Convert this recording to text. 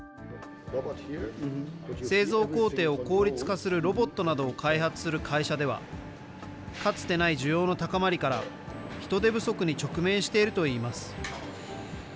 製造工程を効率化するロボットなどを開発する会社では、かつてない需要の高まりから、人手不足に直面しているといいます。